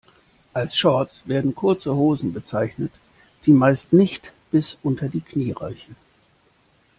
Als Shorts werden kurze Hosen bezeichnet, die meist nicht bis unter die Knie reichen.